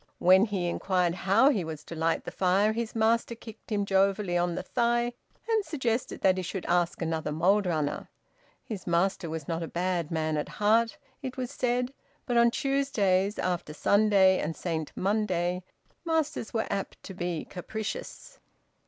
When he inquired how he was to light the fire his master kicked him jovially on the thigh and suggested that he should ask another mould runner. His master was not a bad man at heart, it was said, but on Tuesdays, after Sunday, and Saint Monday, masters were apt to be capricious.